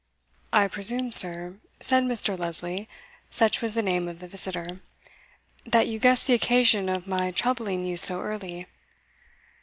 "I presume, sir," said Mr. Lesley (such was the name of the visitor), "that you guess the occasion of my troubling you so early?"